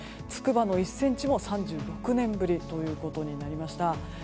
つくばの１ｃｍも３６年ぶりとなりました。